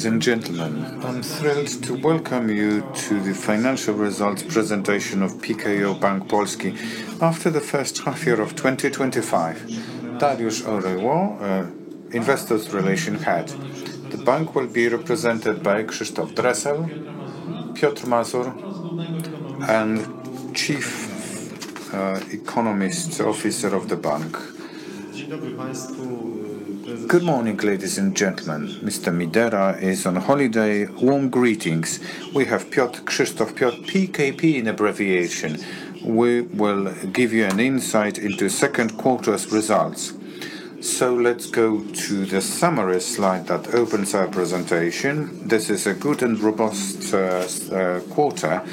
Good morning, ladies and gentlemen. I'm thrilled to welcome you to the financial results presentation of PKO Bank Polski after the first half year of 2025. Dariusz Chorylo, Head of Investor Relations. The bank will be represented by Krzysztof Dresler, Piotr Mazur, and the Chief Economist officer of the bank. Good morning, ladies and gentlemen. Mr. Midera is on holiday. Warm greetings. We have Piotr, Krzysztof, Piotr, PKO in abbreviation. We will give you an insight into the second quarter's results. Let's go to the summary slide that opens our presentation. This is a good and robust quarter.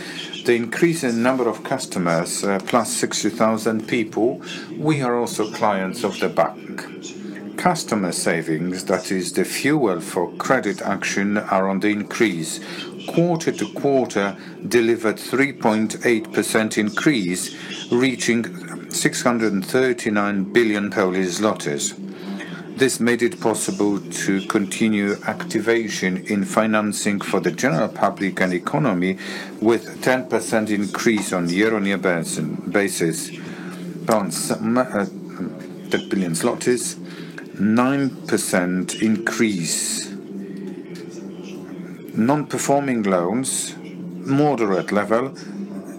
The increase in the number of customers, plus 60,000 people, we are also clients of the bank. Customer savings, that is, the fuel for credit action, are on the increase. Quarter-to-quarter, delivered a 3.8% increase, reaching 639 billion Polish zlotys. This made it possible to continue activation in financing for the general public and economy, with a 10% increase on the year-on-year basis. Bank. Some billion złotych, 9% increase. Non-performing loans, moderate level,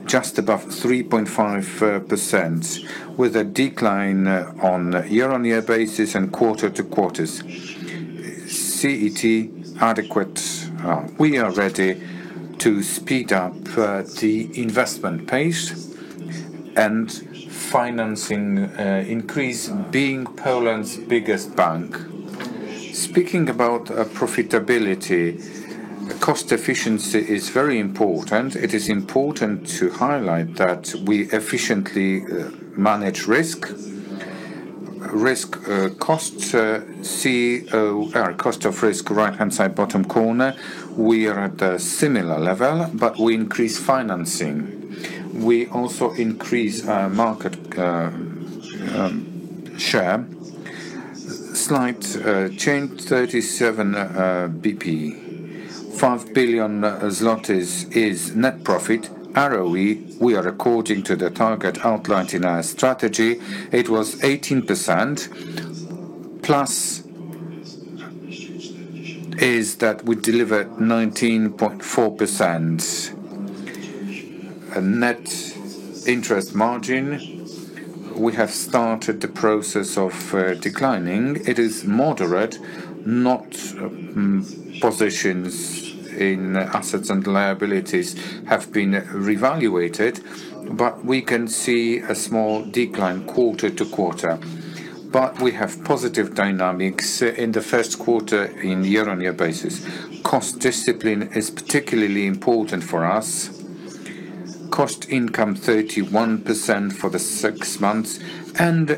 just above 3.5%, with a decline on a year-on-year basis and quarter to quarter. CET, adequate. We are ready to speed up the investment pace and financing increase, being Poland's biggest bank. Speaking about profitability, cost efficiency is very important. It is important to highlight that we efficiently manage risk. Cost of risk, right-hand side, bottom corner. We are at a similar level, but we increase financing. We also increase our market share. Slide change, 37 basis points. 5 billion zlotys is net profit. ROE, we are according to the target outlined in our strategy. It was 18%+ is that we delivered 19.4%. Net interest margin, we have started the process of declining. It is moderate. Not positions in assets and liabilities have been revaluated, but we can see a small decline quarter to quarter. We have positive dynamics in the first quarter on a year-on-year basis. Cost discipline is particularly important for us. Cost income, 31% for the six months and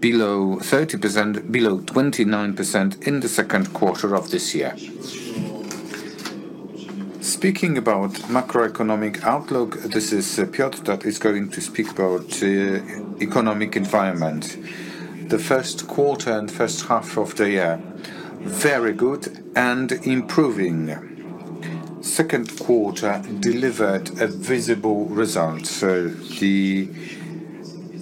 below 30%, below 29% in the second quarter of this year. Speaking about macroeconomic outlook, this is Piotr, that is going to speak about the economic environment. The first quarter and first half of the year, very good and improving. Second quarter delivered a visible result. The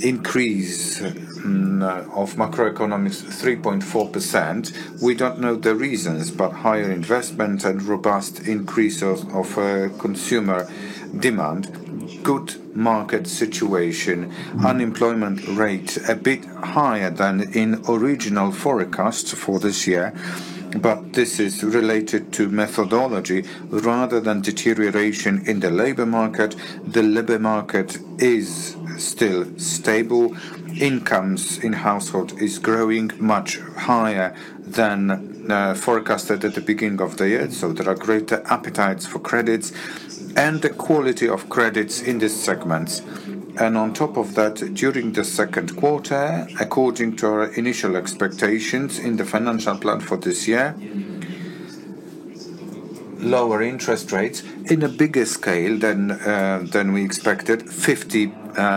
increase of macroeconomics, 3.4%. We don't know the reasons, but higher investment and robust increases of consumer demand. Good market situation. Unemployment rate a bit higher than in the original forecast for this year, but this is related to methodology rather than deterioration in the labor market. The labor market is still stable. Incomes in households are growing much higher than forecasted at the beginning of the year. There are greater appetites for credits and the quality of credits in this segment. On top of that, during the second quarter, according to our initial expectations in the financial plan for this year, lower interest rates in a bigger scale than we expected, 50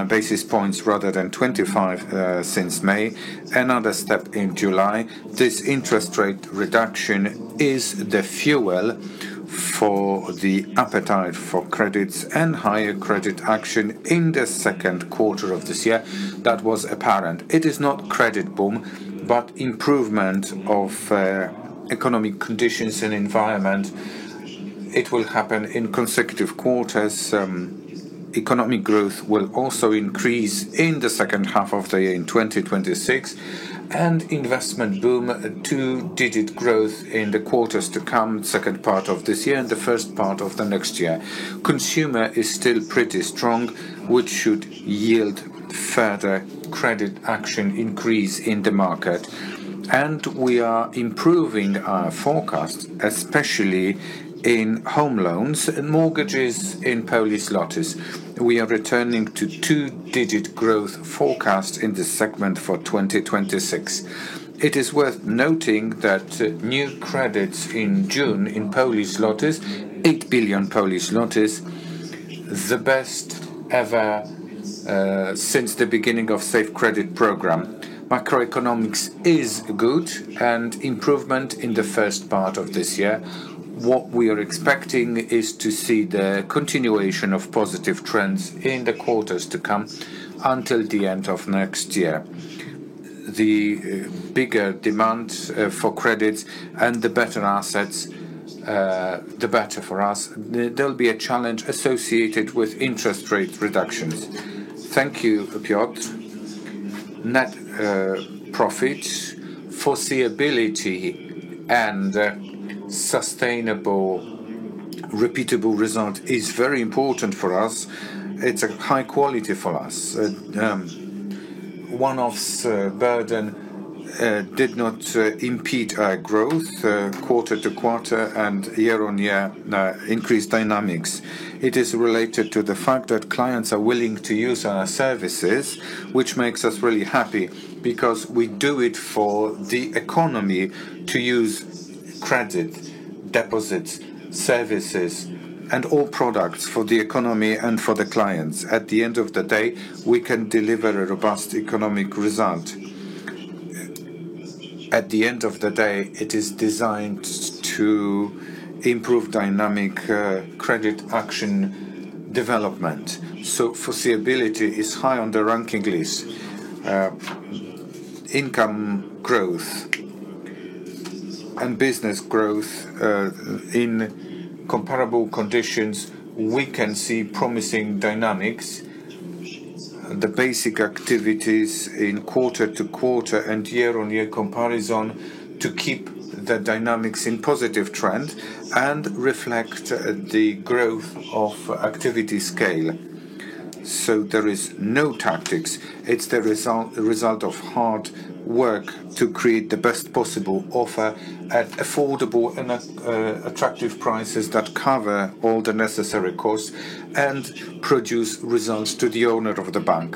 basis points rather than 25 since May, another step in July. This interest rate reduction is the fuel for the appetite for credits and higher credit action in the second quarter of this year. That was apparent. It is not a credit boom, but improvement of economic conditions and environment. It will happen in consecutive quarters. Economic growth will also increase in the second half of the year in 2026. An investment boom, a two-digit growth in the quarters to come, second part of this year and the first part of the next year. Consumer is still pretty strong, which should yield further credit action increase in the market. We are improving our forecast, especially in home loans and mortgages in Polish złotych. We are returning to two-digit growth forecast in this segment for 2026. It is worth noting that new credits in June in Polish złotych, 8 billion, the best ever since the beginning of the Safe Credit Program. Macroeconomics is good and improvement in the first part of this year. What we are expecting is to see the continuation of positive trends in the quarters to come until the end of next year. The bigger demand for credits and the better assets, the better for us. There will be a challenge associated with interest rate reductions. Thank you, Piotr. Net profit, foreseeability, and sustainable, repeatable result is very important for us. It's a high quality for us. One-offs burden did not impede our growth quarter to quarter and year-on-year increase dynamics. It is related to the fact that clients are willing to use our services, which makes us really happy because we do it for the economy to use credit, deposits, services, and all products for the economy and for the clients. At the end of the day, we can deliver a robust economic result. At the end of the day, it is designed to improve dynamic credit action development. Foreseeability is high on the ranking list. Income growth and business growth in comparable conditions, we can see promising dynamics. The basic activities in quarter-to-quarter and year-on-year comparison to keep the dynamics in positive trend and reflect the growth of activity scale. There are no tactics. It's the result of hard work to create the best possible offer at affordable and attractive prices that cover all the necessary costs and produce results to the owner of the bank.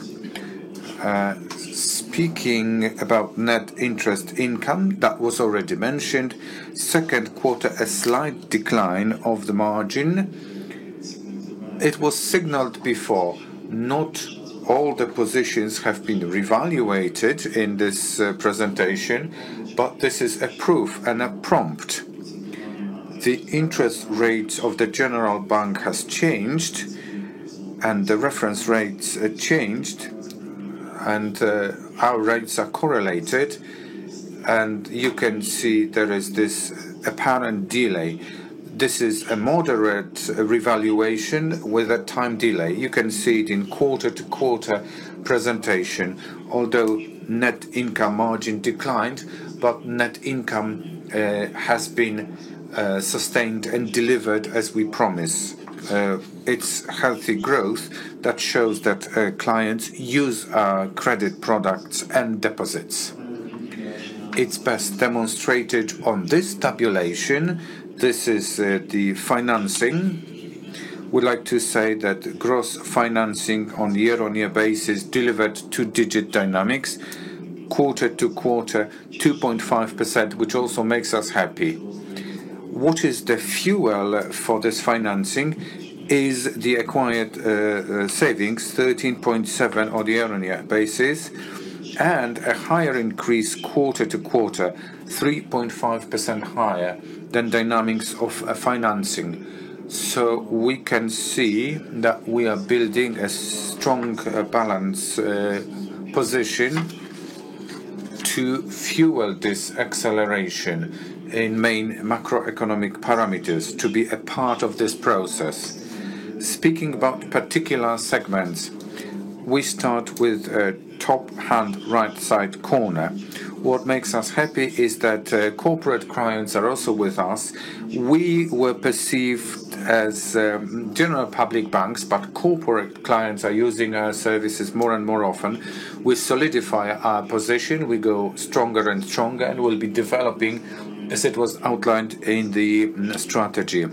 Speaking about net interest income, that was already mentioned. Second quarter, a slight decline of the margin. It was signaled before, not all the positions have been revaluated in this presentation, but this is a proof and a prompt. The interest rate of the general bank has changed and the reference rates changed and our rates are correlated and you can see there is this apparent delay. This is a moderate revaluation with a time delay. You can see it in quarter-to-quarter presentation. Although net income margin declined, net income has been sustained and delivered as we promise. It's healthy growth that shows that clients use our credit products and deposits. It's best demonstrated on this tabulation. This is the financing. We like to say that gross financing on a year-on-year basis delivered two-digit dynamics. Quarter-to-quarter, 2.5%, which also makes us happy. What is the fuel for this financing is the acquired savings, 13.7% on a year-on-year basis and a higher increase quarter-to-quarter, 3.5% higher than dynamics of financing. We can see that we are building a strong balance position to fuel this acceleration in main macroeconomic parameters to be a part of this process. Speaking about particular segments, we start with a top-hand right-side corner. What makes us happy is that corporate clients are also with us. We were perceived as general public banks, but corporate clients are using our services more and more often. We solidify our position. We go stronger and stronger and will be developing as it was outlined in the strategy.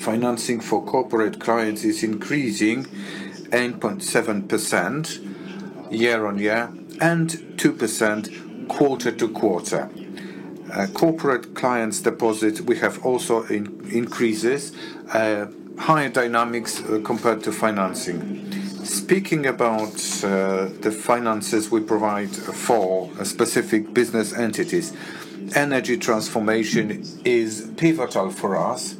Financing for corporate clients is increasing 8.7% year-on-year and 2% quarter-to-quarter. Corporate clients' deposit we have also increases, higher dynamics compared to financing. Speaking about the finances we provide for specific business entities, energy transformation is pivotal for us.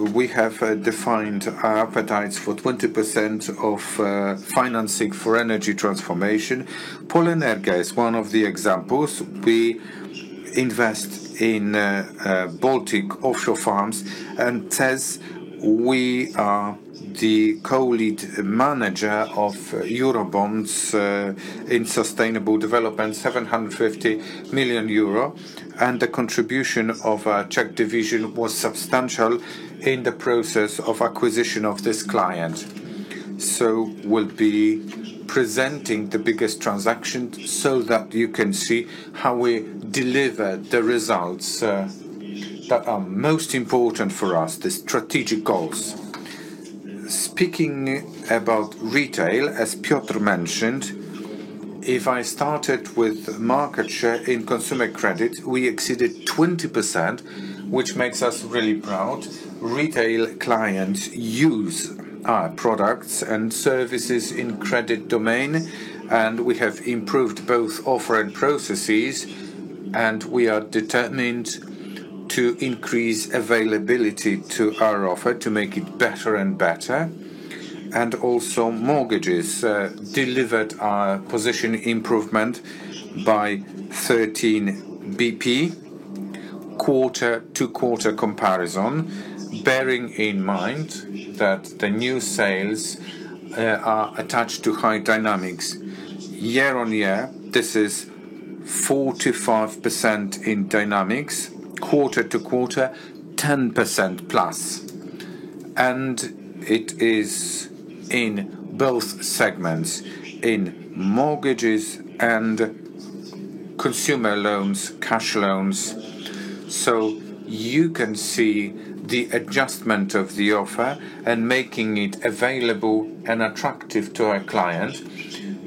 We have defined our appetites for 20% of financing for energy transformation. Polenerga is one of the examples. We invest in Baltic offshore farms and TEZ. We are the co-lead manager of Eurobonds in sustainable development, 750 million euro, and the contribution of our Czech division was substantial in the process of acquisition of this client. We will be presenting the biggest transaction so that you can see how we deliver the results that are most important for us, the strategic goals. Speaking about retail, as Piotr mentioned, if I started with market share in consumer credit, we exceeded 20%, which makes us really proud. Retail clients use our products and services in the credit domain, and we have improved both offer and processes, and we are determined to increase availability to our offer to make it better and better. Also, mortgages delivered our position improvement by 13 basis points, quarter-to-quarter comparison, bearing in mind that the new sales are attached to high dynamics. Year-on-year, this is 45% in dynamics, quarter-to-quarter, 10%+. It is in both segments, in mortgages and consumer loans, cash loans. You can see the adjustment of the offer and making it available and attractive to our client,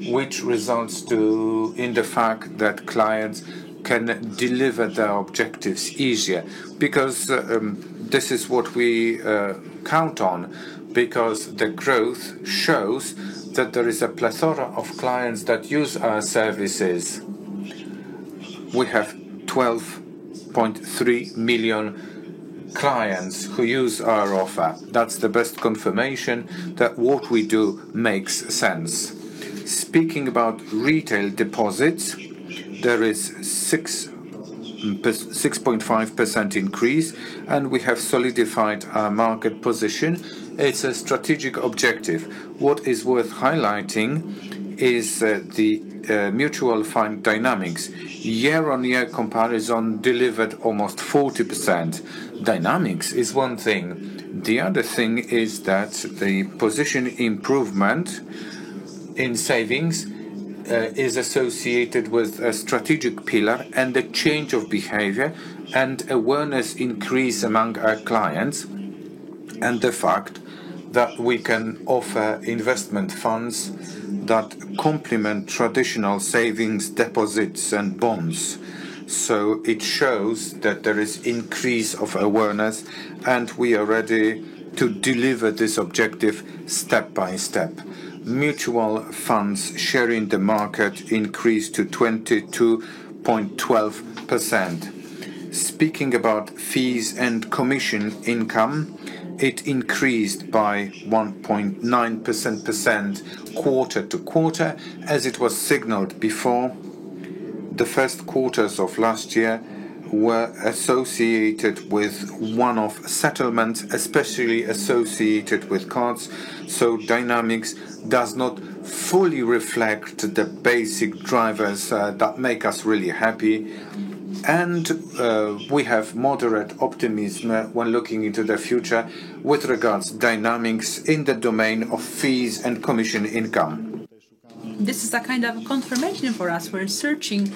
which results in the fact that clients can deliver their objectives easier because this is what we count on because the growth shows that there is a plethora of clients that use our services. We have 12.3 million clients who use our offer. That's the best confirmation that what we do makes sense. Speaking about retail deposits, there is a 6.5% increase, and we have solidified our market position. It's a strategic objective. What is worth highlighting is the mutual fund dynamics. Year-on-year comparison delivered almost 40%. Dynamics is one thing. The other thing is that the position improvement in savings is associated with a strategic pillar and the change of behavior and awareness increase among our clients and the fact that we can offer investment funds that complement traditional savings, deposits, and bonds. It shows that there is an increase of awareness, and we are ready to deliver this objective step by step. Mutual funds share in the market increased to 22.12%. Speaking about fees and commission income, it increased by 1.9% quarter-to-quarter, as it was signaled before. The first quarters of last year were associated with one-off settlements, especially associated with cards. Dynamics does not fully reflect the basic drivers that make us really happy. We have moderate optimism when looking into the future with regard to dynamics in the domain of fees and commission income. This is a kind of a confirmation for us. We're searching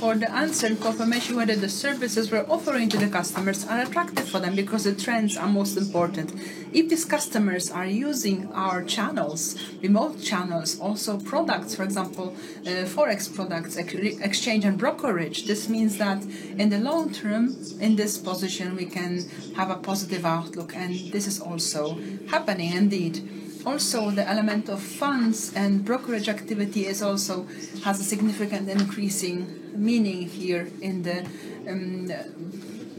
for the answer and confirmation whether the services we're offering to the customers are attractive for them because the trends are most important. If these customers are using our channels, remote channels, also products, for example, Forex products, exchange and brokerage, this means that in the long term in this position we can have a positive outlook, and this is also happening indeed. Also, the element of funds and brokerage activity has a significant increasing meaning here in the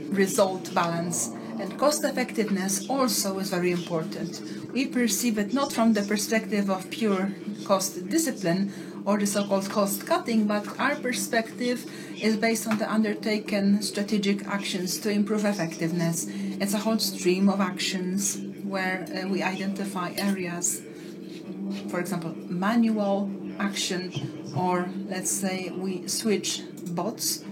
result balance, and cost effectiveness also is very important. We perceive it not from the perspective of pure cost discipline or the so-called cost cutting, but our perspective is based on the undertaken strategic actions to improve effectiveness. It's a whole stream of actions where we identify areas, for example, manual action, or let's say we switch bots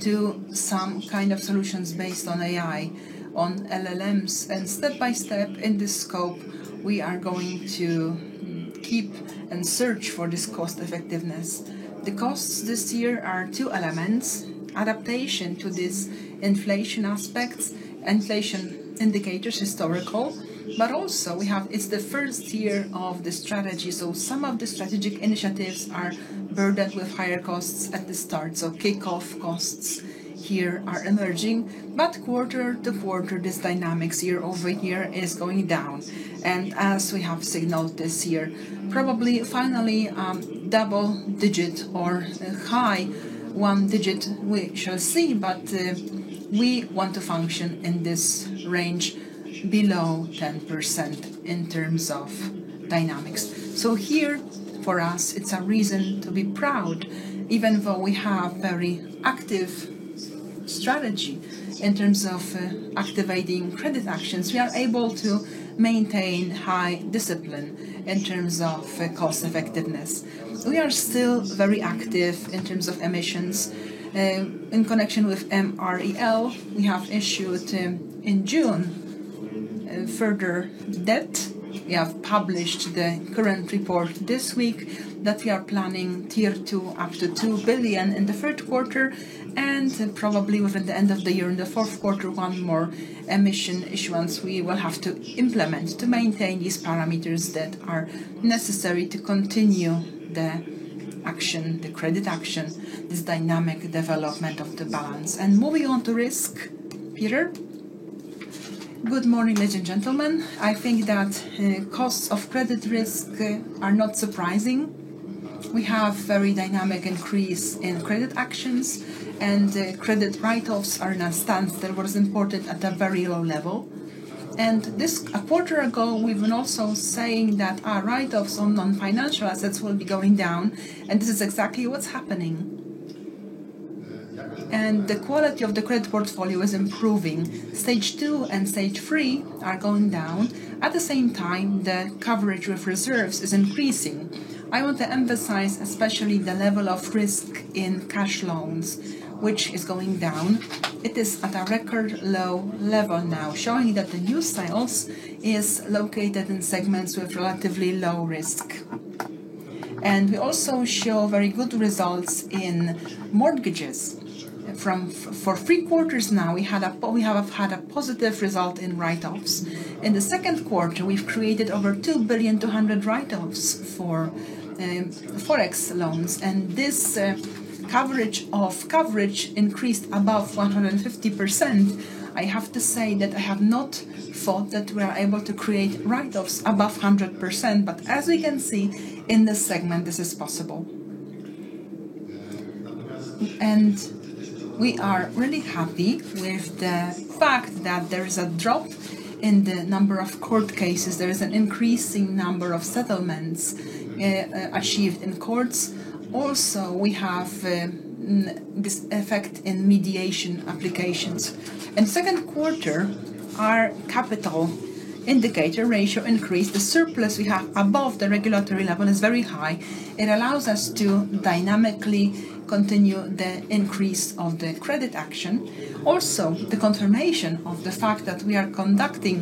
to some kind of solutions based on AI, on LLMs, and step by step in this scope, we are going to keep and search for this cost effectiveness. The costs this year are two elements: adaptation to this inflation aspect, inflation indicators historical, but also we have, it's the first year of the strategy, so some of the strategic initiatives are burdened with higher costs at the start. Kickoff costs here are emerging, but quarter-to-quarter, this dynamics year-over-year is going down. As we have signaled this year, probably finally a double digit or high one digit we shall see, but we want to function in this range below 10% in terms of dynamics. Here for us, it's a reason to be proud. Even though we have a very active strategy in terms of activating credit actions, we are able to maintain high discipline in terms of cost effectiveness. We are still very active in terms of emissions. In connection with MREL, we have issued in June further debt. We have published the current report this week that we are planning tier two after 2 billion in the third quarter and probably within the end of the year in the fourth quarter, one more emission issuance we will have to implement to maintain these parameters that are necessary to continue the action, the credit action, this dynamic development of the balance. Moving on to risk, Piotr. Good morning, ladies and gentlemen. I think that costs of credit risk are not surprising. We have a very dynamic increase in credit actions, and credit write-offs are in a stance that was imported at a very low level. Just a quarter ago, we've been also saying that our write-offs on non-financial assets will be going down, and this is exactly what's happening. The quality of the credit portfolio is improving. Stage two and stage three are going down. At the same time, the coverage of reserves is increasing. I want to emphasize especially the level of risk in cash loans, which is going down. It is at a record low level now, showing that the new sales are located in segments with relatively low risk. We also show very good results in mortgages. For three quarters now, we have had a positive result in write-offs. In the second quarter, we've created over 2.2 billion write-offs for Forex loans, and this coverage increased above 150%. I have to say that I have not thought that we are able to create write-offs above 100%, but as we can see in this segment, this is possible. We are really happy with the fact that there is a drop in the number of court cases. There is an increasing number of settlements achieved in courts. We also have this effect in mediation applications. In the second quarter, our capital indicator ratio increased. The surplus we have above the regulatory level is very high. It allows us to dynamically continue the increase of the credit action. The confirmation of the fact that we are conducting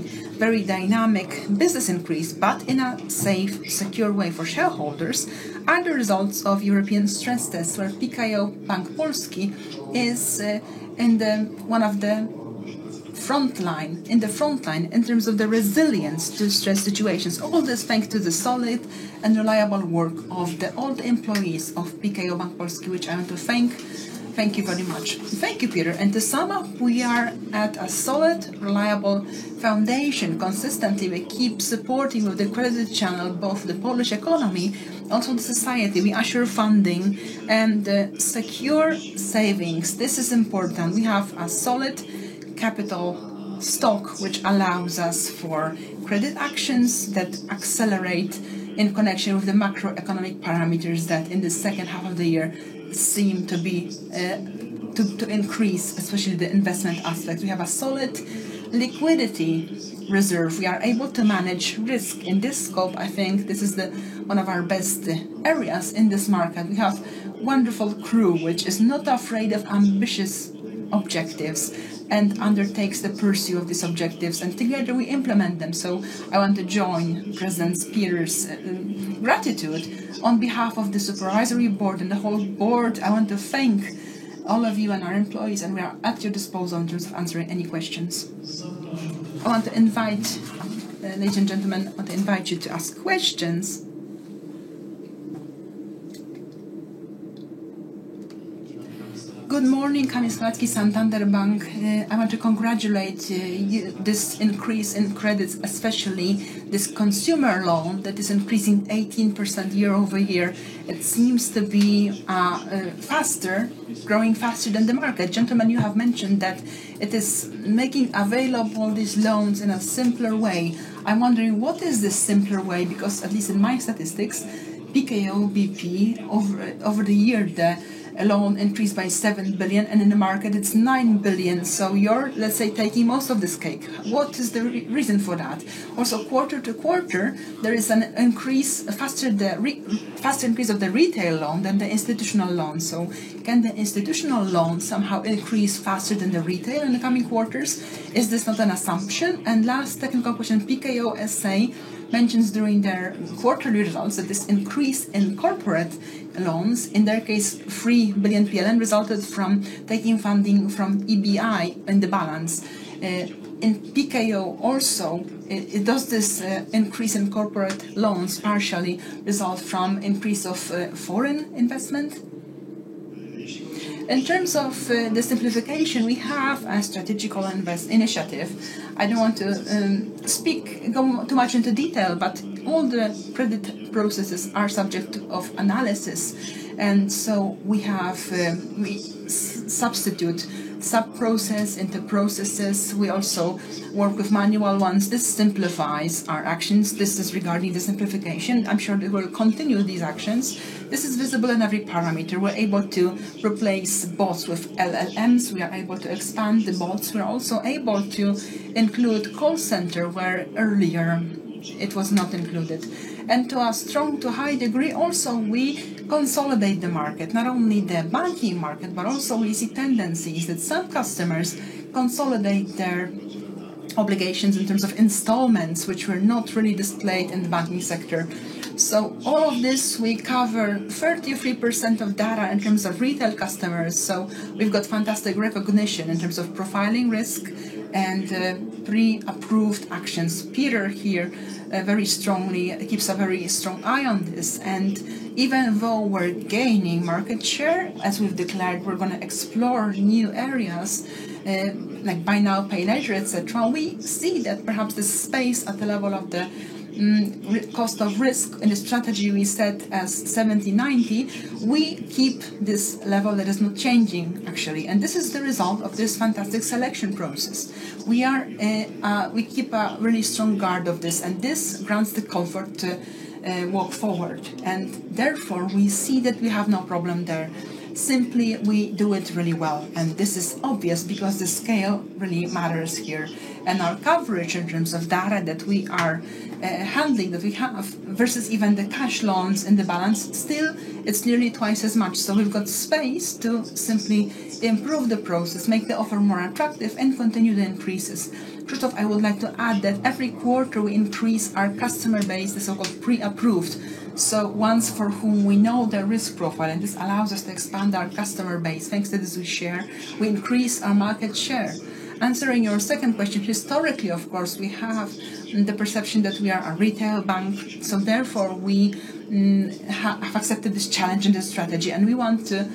very dynamic business increase, but in a safe, secure way for shareholders, is the results of European stress tests where PKO Bank Polski is in one of the front lines in terms of the resilience to stress situations. All this is thanks to the solid and reliable work of the old employees of PKO Bank Polski, which I want to thank. Thank you very much. Thank you, Piotr. To sum up, we are at a solid, reliable foundation. Consistently, we keep supporting with the credit channel, both the Polish economy and also the society. We assure funding and secure savings. This is important. We have a solid capital stock, which allows us for credit actions that accelerate in connection with the macroeconomic parameters that in the second half of the year seem to increase, especially the investment aspects. We have a solid liquidity reserve. We are able to manage risk in this scope. I think this is one of our best areas in this market. We have a wonderful crew, which is not afraid of ambitious objectives and undertakes the pursuit of these objectives, and together we implement them. I want to join President Spear's gratitude on behalf of the Supervisory Board and the whole board. I want to thank all of you and our employees, and we are at your disposal in terms of answering any questions. I want to invite ladies and gentlemen, I want to invite you to ask questions. Good morning, Kamis Klatsky, Santander Bank. I want to congratulate you on this increase in credits, especially this consumer loan that is increasing 18% year-over-year. It seems to be growing faster than the market. Gentlemen, you have mentioned that it is making available these loans in a simpler way. I'm wondering, what is this simpler way? Because at least in my statistics, PKO BP over the year, the loan increased by 7 billion, and in the market, it's 9 billion. You're, let's say, taking most of this cake. What is the reason for that? Also, quarter to quarter, there is an increase, a faster increase of the retail loan than the institutional loan. Can the institutional loan somehow increase faster than the retail in the coming quarters? Is this not an assumption? Last technical question, PKO SA mentions during their quarterly results that this increase in corporate loans, in their case, 3 billion PLN resulted from taking funding from EIB in the balance. In PKO also, does this increase in corporate loans partially result from an increase of foreign investment? In terms of the simplification, we have a strategical investment initiative. I don't want to speak too much into detail, but all the credit processes are subject to analysis. We substitute sub-process into processes. We also work with manual ones. This simplifies our actions. This is regarding the simplification. I'm sure we will continue these actions. This is visible in every parameter. We're able to replace bots with LLMs. We are able to expand the bots. We're also able to include call centers where earlier it was not included. To a strong to high degree, also we consolidate the market, not only the banking market, but also we see tendencies that some customers consolidate their obligations in terms of installments, which were not really displayed in the banking sector. All of this, we cover 33% of data in terms of retail customers. We've got fantastic recognition in terms of profiling risk and pre-approved actions. Piotr here very strongly keeps a very strong eye on this. Even though we're gaining market share, as we've declared, we're going to explore new areas like buy now, pay later, etc. We see that perhaps the space at the level of the cost of risk in the strategy we set as 70, 90, we keep this level that is not changing, actually. This is the result of this fantastic selection process. We keep a really strong guard of this, and this grants the comfort to walk forward. Therefore, we see that we have no problem there. Simply, we do it really well. This is obvious because the scale really matters here. Our coverage in terms of data that we are handling, that we have versus even the cash loans in the balance, still, it's nearly twice as much. We've got space to simply improve the process, make the offer more attractive, and continue the increases. I would like to add that every quarter we increase our customer base, the so-called pre-approved. Ones for whom we know their risk profile, and this allows us to expand our customer base. Thanks to this, we increase our market share. Answering your second question, historically, of course, we have the perception that we are a retail bank. Therefore, we have accepted this challenge and this strategy. We want to,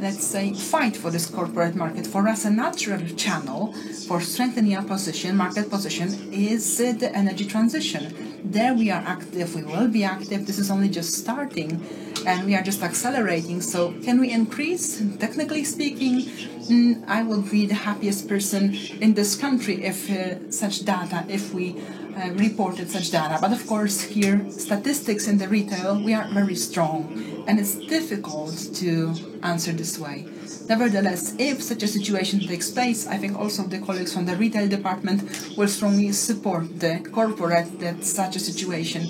let's say, fight for this corporate market. For us, a natural channel for strengthening our position, market position, is the energy transition. There we are active. We will be active. This is only just starting, and we are just accelerating. Can we increase? Technically speaking, I would be the happiest person in this country if such data, if we reported such data. Of course, here, statistics in the retail, we are very strong. It's difficult to answer this way. Nevertheless, if such a situation takes place, I think also the colleagues from the retail department will strongly support the corporate that such a situation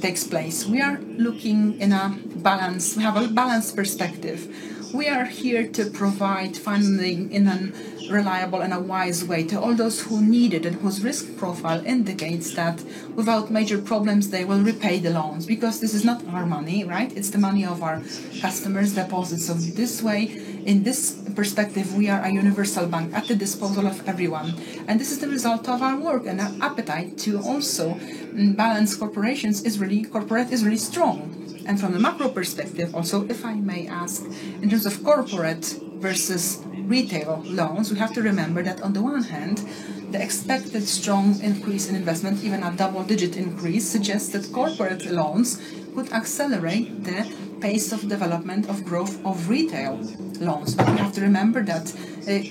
takes place. We are looking in a balance. We have a balanced perspective. We are here to provide funding in a reliable and a wise way to all those who need it and whose risk profile indicates that without major problems, they will repay the loans because this is not our money, right? It's the money of our customers' deposits. In this perspective, we are a universal bank at the disposal of everyone. This is the result of our work and our appetite to also balance corporations. Corporate is really strong. From a macro perspective, also, if I may ask, in terms of corporate versus retail loans, we have to remember that on the one hand, the expected strong increase in investment, even a double-digit increase, suggests that corporate loans could accelerate the pace of development of growth of retail loans. We have to remember that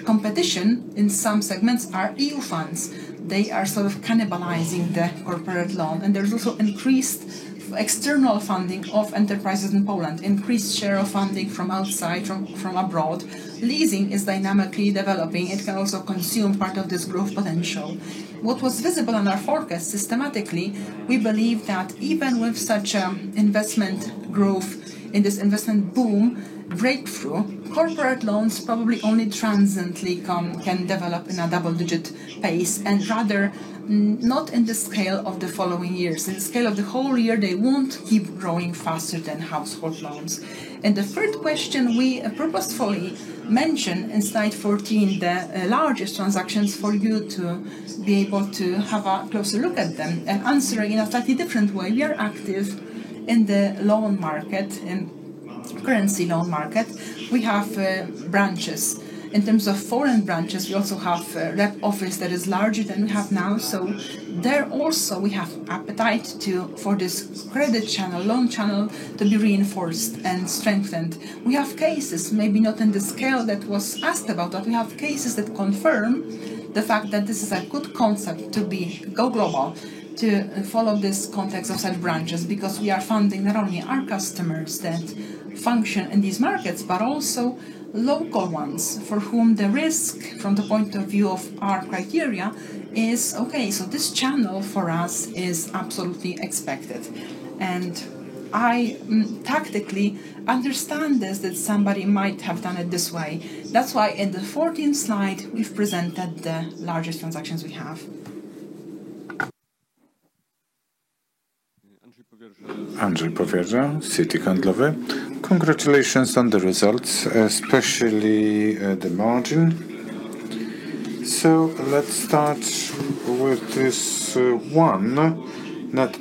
competition in some segments are EU funds. They are sort of cannibalizing the corporate loan. There's also increased external funding of enterprises in Poland, increased share of funding from outside, from abroad. Leasing is dynamically developing. It can also consume part of this growth potential. What was visible in our forecast systematically, we believe that even with such an investment growth in this investment boom breakthrough, corporate loans probably only transiently can develop in a double-digit pace and rather not in the scale of the following years. In the scale of the whole year, they won't keep growing faster than household loans. The third question we purposefully mentioned in slide 14, the largest transactions for you to be able to have a closer look at them and answer in a slightly different way. We are active in the loan market, in the currency loan market. We have branches. In terms of foreign branches, we also have a rep office that is larger than we have now. There also, we have an appetite for this credit channel, loan channel to be reinforced and strengthened. We have cases, maybe not in the scale that was asked about, but we have cases that confirm the fact that this is a good concept to go global, to follow this context of such branches because we are funding not only our customers that function in these markets, but also local ones for whom the risk from the point of view of our criteria is okay, so this channel for us is absolutely expected. I tactically understand this that somebody might have done it this way. That's why in the 14th slide, we've presented the largest transactions we have. Andriy Petrov, Citi Handlowy. Congratulations on the results, especially the margin. Let's start with this one, net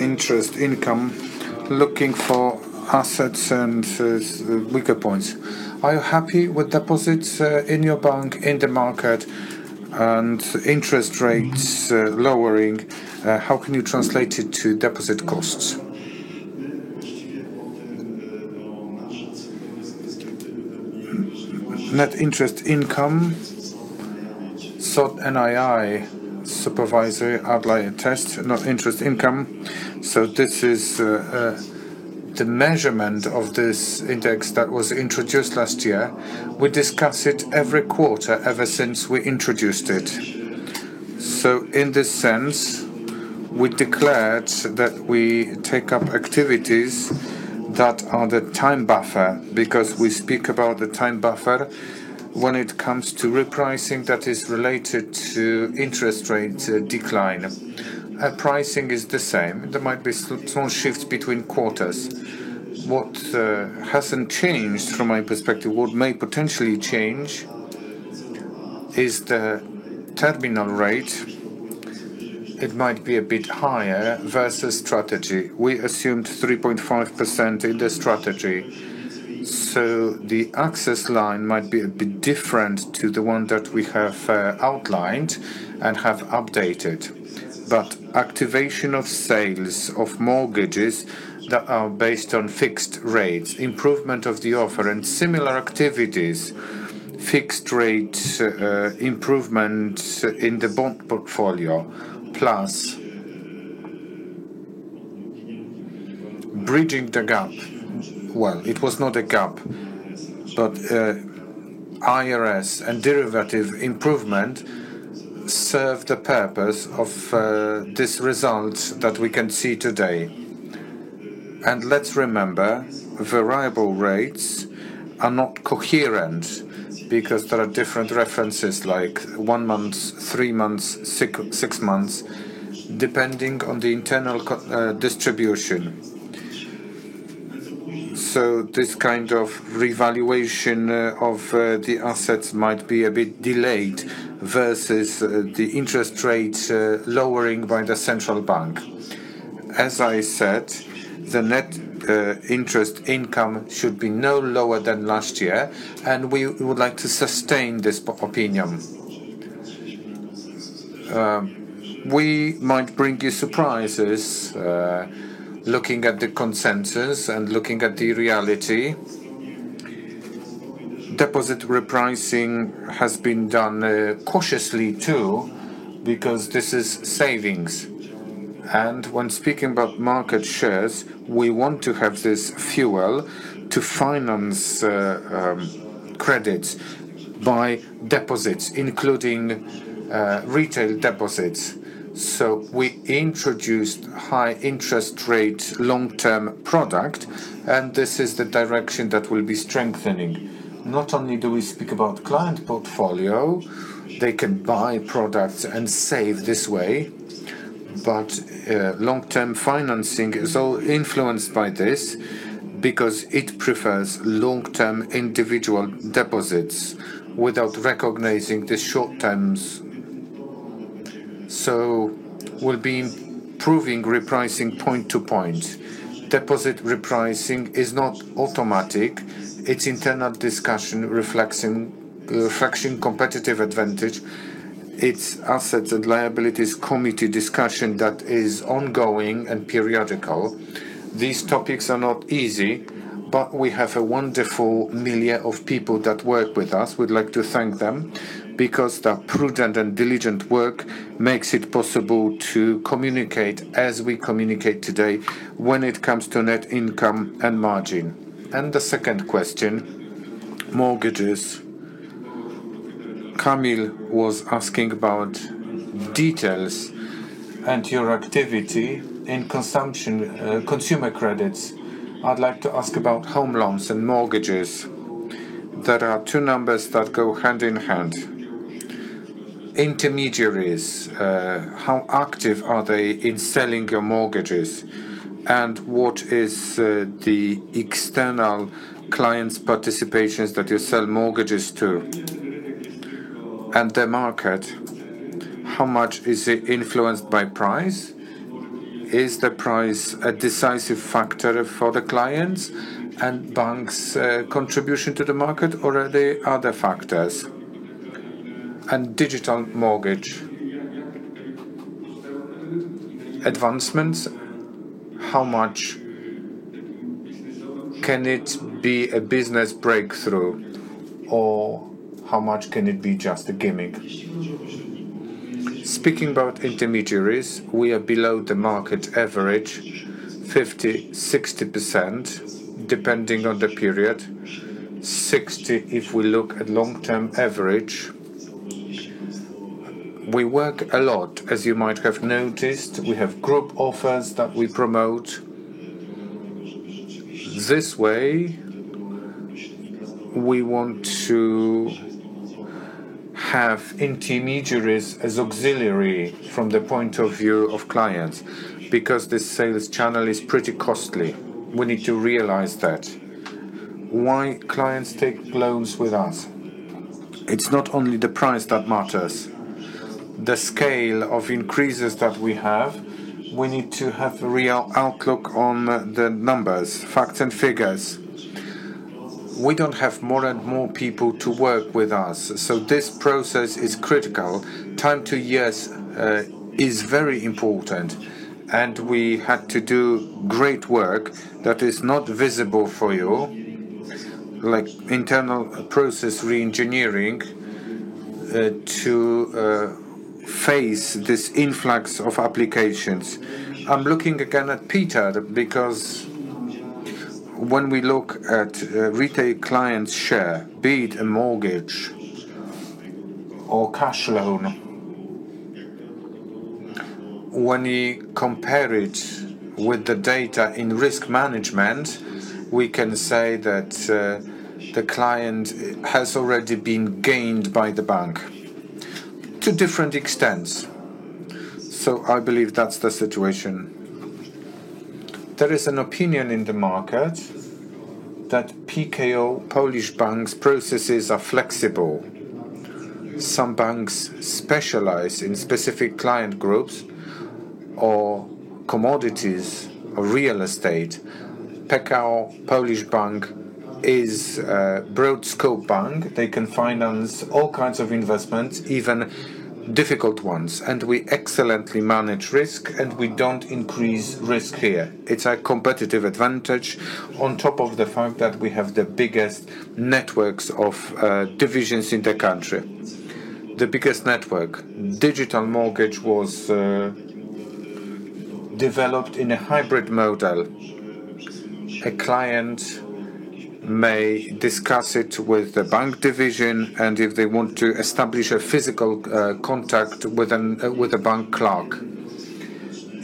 interest income, looking for assets and weaker points. Are you happy with deposits in your bank in the market and interest rates lowering? How can you translate it to deposit costs? Net interest income, SOT NII, supervisory outlier test, net interest income. This is the measurement of this index that was introduced last year. We discuss it every quarter ever since we introduced it. In this sense, we declared that we take up activities that are the time buffer because we speak about the time buffer when it comes to repricing that is related to interest rate decline. Pricing is the same. There might be some shifts between quarters. What hasn't changed from my perspective, what may potentially change, is the terminal rate. It might be a bit higher versus strategy. We assumed 3.5% in the strategy. The access line might be a bit different to the one that we have outlined and have updated. Activation of sales of mortgages that are based on fixed rates, improvement of the offer, and similar activities, fixed rate improvements in the bond portfolio, plus bridging the gap. IRS and derivative improvement serve the purpose of this result that we can see today. Let's remember, variable rates are not coherent because there are different references like one month, three months, six months, depending on the internal distribution. This kind of revaluation of the assets might be a bit delayed versus the interest rates lowering by the central bank. As I said, the net interest income should be no lower than last year, and we would like to sustain this opinion. We might bring you surprises looking at the consensus and looking at the reality. Deposit repricing has been done cautiously too because this is savings. When speaking about market shares, we want to have this fuel to finance credits by deposits, including retail deposits. We introduced high-interest rate long-term product, and this is the direction that will be strengthening. Not only do we speak about client portfolio, they can buy products and save this way, but long-term financing is all influenced by this because it prefers long-term individual deposits without recognizing the short terms. We'll be improving repricing point to point. Deposit repricing is not automatic. Its internal discussion reflects a fraction competitive advantage. It's Assets and Liabilities Committee discussion that is ongoing and periodical. These topics are not easy, but we have a wonderful milieu of people that work with us. We'd like to thank them because their prudent and diligent work makes it possible to communicate as we communicate today when it comes to net income and margin. The second question, mortgages. Kamil was asking about details and your activity in consumer credit. I'd like to ask about home loans and mortgages. There are two numbers that go hand in hand. Intermediaries, how active are they in selling your mortgages? What is the external clients' participation that you sell mortgages to? The market, how much is it influenced by price? Is the price a decisive factor for the clients and banks' contribution to the market, or are there other factors? Digital mortgage advancements, how much can it be a business breakthrough, or how much can it be just a gimmick? Speaking about intermediaries, we are below the market average, 50%, 60% depending on the period. 60% if we look at long-term average. We work a lot, as you might have noticed. We have group offers that we promote. This way, we want to have intermediaries as auxiliary from the point of view of clients because this sales channel is pretty costly. We need to realize that. Why clients take loans with us? It's not only the price that matters. The scale of increases that we have, we need to have a real outlook on the numbers, facts, and figures. We don't have more and more people to work with us. This process is critical. Time to years is very important. We had to do great work that is not visible for you, like internal process re-engineering to face this influx of applications. I'm looking again at Piotr because when we look at retail clients' share, be it a mortgage or cash loan, when you compare it with the data in risk management, we can say that the client has already been gained by the bank to different extents. I believe that's the situation. There is an opinion in the market that PKO Polski Bank processes are flexible. Some banks specialize in specific client groups or commodities or real estate. PKO Polski Bank is a broad-scope bank. They can finance all kinds of investments, even difficult ones. We excellently manage risk, and we don't increase risk here. It's our competitive advantage on top of the fact that we have the biggest networks of divisions in the country. The biggest network, Digital Mortgage, was developed in a hybrid model. A client may discuss it with the bank division, and if they want to establish a physical contact with a bank clerk,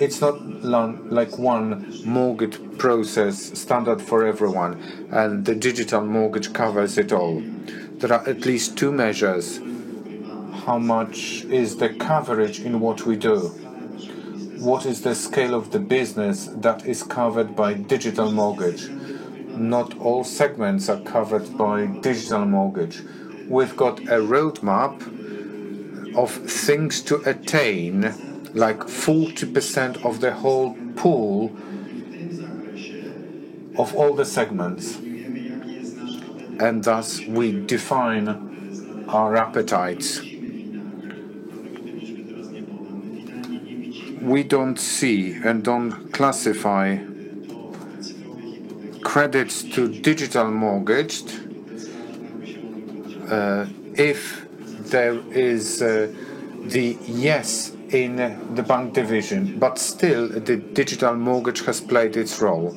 it's not like one mortgage process standard for everyone, and the Digital Mortgage covers it all. There are at least two measures. How much is the coverage in what we do? What is the scale of the business that is covered by Digital Mortgage? Not all segments are covered by Digital Mortgage. We've got a roadmap of things to attain, like 40% of the whole pool of all the segments. Thus, we define our appetites. We don't see and don't classify credits to Digital Mortgage if there is the yes in the bank division, but still, the Digital Mortgage has played its role.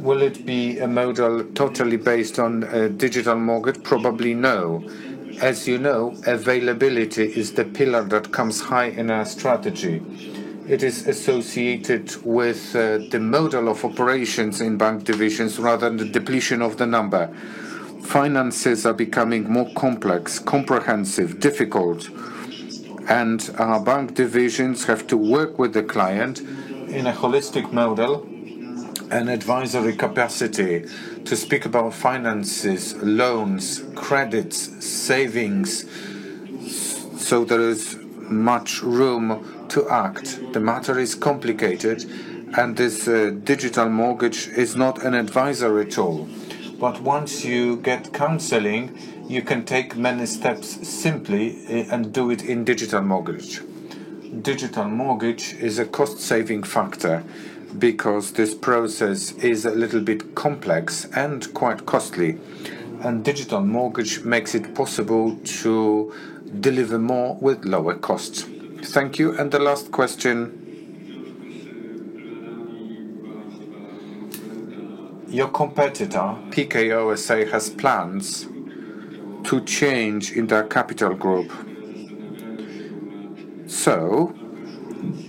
Will it be a model totally based on Digital Mortgage? Probably no. As you know, availability is the pillar that comes high in our strategy. It is associated with the model of operations in bank divisions rather than the depletion of the number. Finances are becoming more complex, comprehensive, difficult, and our bank divisions have to work with the client in a holistic model, an advisory capacity to speak about finances, loans, credits, savings, so there is much room to act. The matter is complicated, and this Digital Mortgage is not an advisor at all. Once you get counseling, you can take many steps simply and do it in Digital Mortgage. Digital Mortgage is a cost-saving factor because this process is a little bit complex and quite costly. Digital Mortgage makes it possible to deliver more with lower costs. Thank you. The last question. Your competitor, PKO SA, has plans to change in their capital group.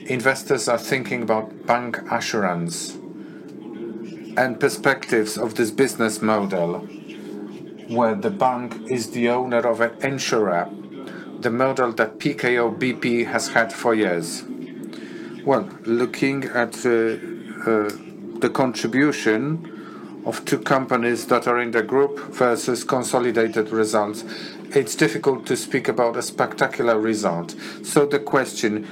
Investors are thinking about bancassurance and perspectives of this business model where the bank is the owner of an insurer, the model that PKO BP has had for years. Looking at the contribution of two companies that are in the group versus consolidated results, it's difficult to speak about a spectacular result. The question,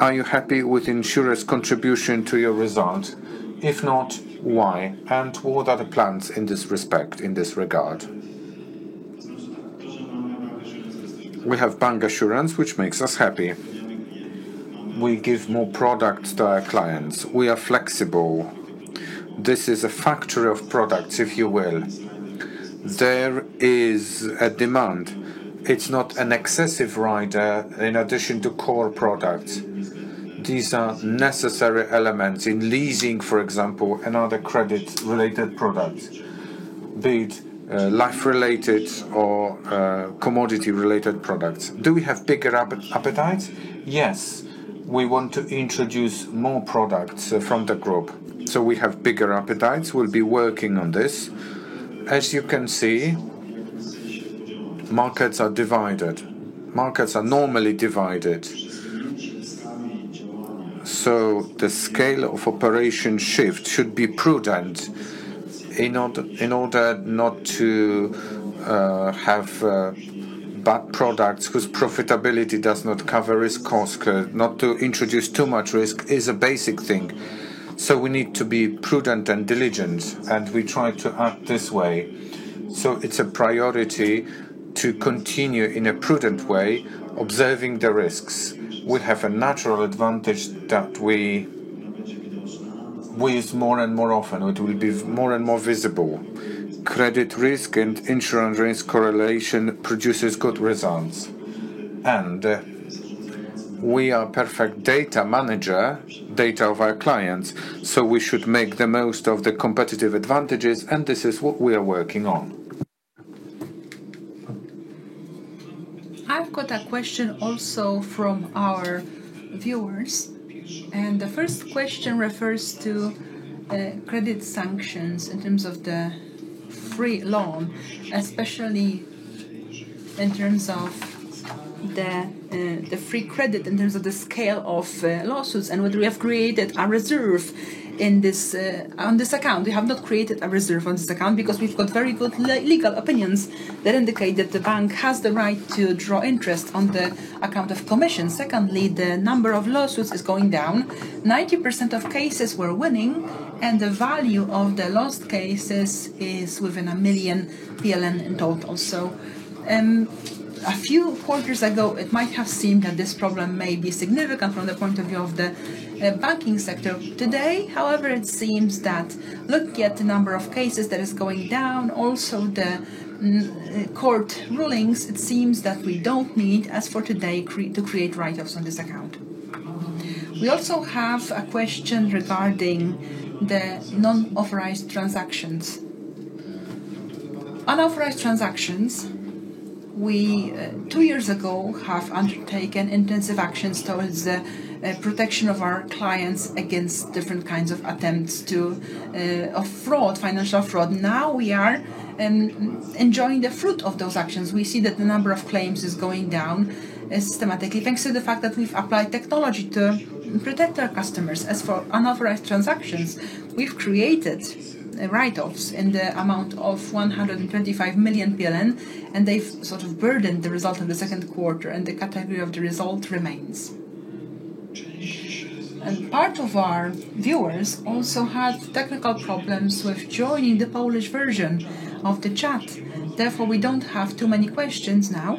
are you happy with insurers' contribution to your result? If not, why? What are the plans in this respect, in this regard? We have bancassurance, which makes us happy. We give more products to our clients. We are flexible. This is a factory of products, if you will. There is a demand. It's not an excessive rider in addition to core products. These are necessary elements in leasing, for example, and other credit-related products, be it life-related or commodity-related products. Do we have bigger appetites? Yes. We want to introduce more products from the group. We have bigger appetites. We'll be working on this. As you can see, markets are divided. Markets are normally divided. The scale of operation shifts should be prudent in order not to have bad products whose profitability does not cover risk costs. Not to introduce too much risk is a basic thing. We need to be prudent and diligent, and we try to act this way. It's a priority to continue in a prudent way, observing the risks. We have a natural advantage that we use more and more often. It will be more and more visible. Credit risk and insurance risk correlation produces good results. We are a perfect data manager, data of our clients, so we should make the most of the competitive advantages, and this is what we are working on. I've got a question also from our viewers. The first question refers to credit sanctions in terms of the free loan, especially in terms of the free credit, in terms of the scale of lawsuits, and whether we have created a reserve on this account. We have not created a reserve on this account because we've got very good legal opinions that indicate that the bank has the right to draw interest on the account of commission. Secondly, the number of lawsuits is going down. 90% of cases we're winning, and the value of the lost cases is within 1 million PLN in total. A few quarters ago, it might have seemed that this problem may be significant from the point of view of the banking sector. Today, however, it seems that looking at the number of cases that is going down, also the court rulings, it seems that we don't need, as for today, to create write-offs on this account. We also have a question regarding the unauthorized transactions. Unauthorized transactions, we two years ago have undertaken intensive actions towards the protection of our clients against different kinds of attempts to financial fraud. Now we are enjoying the fruit of those actions. We see that the number of claims is going down systematically, thanks to the fact that we've applied technology to protect our customers. As for unauthorized transactions, we've created write-offs in the amount of 125 million PLN, and they've sort of burdened the result in the second quarter, and the category of the result remains. Part of our viewers also had technical problems with joining the Polish version of the chat. Therefore, we don't have too many questions now.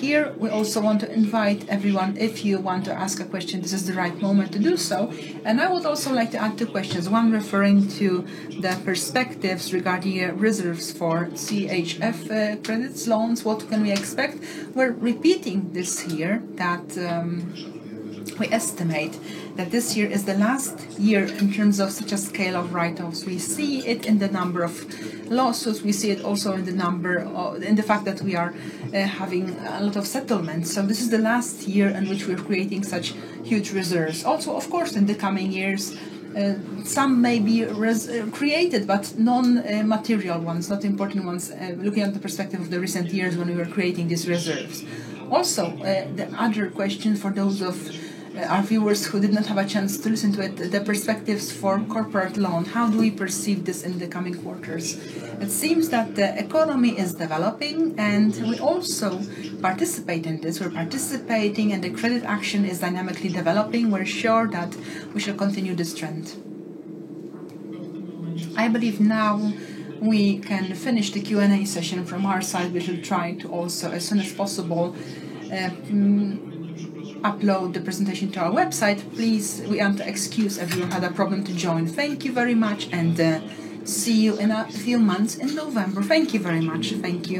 Here, we also want to invite everyone, if you want to ask a question, this is the right moment to do so. I would also like to add two questions. One referring to the perspectives regarding reserves for CHF loans. What can we expect? We're repeating this year that we estimate that this year is the last year in terms of such a scale of write-offs. We see it in the number of lawsuits. We see it also in the number of the fact that we are having a lot of settlements. This is the last year in which we're creating such huge reserves. Of course, in the coming years, some may be created, but non-material ones, not important ones, looking at the perspective of the recent years when we were creating these reserves. Also, the other question for those of our viewers who did not have a chance to listen to it, the perspectives for corporate loan. How do we perceive this in the coming quarters? It seems that the economy is developing, and we also participate in this. We're participating, and the credit action is dynamically developing. We're sure that we shall continue this trend. I believe now we can finish the Q&A session from our side. We should try to also, as soon as possible, upload the presentation to our website. Please, we want to excuse if you had a problem to join. Thank you very much, and see you in a few months in November. Thank you very much. Thank you.